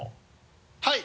はい。